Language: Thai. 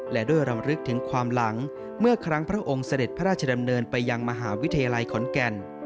และด้วยรำลึกถึงความหลังเมื่อครั้งพระองค์เสด็จพระราชดำเนินไปยังมหาวิทยาลัยขอนแก่น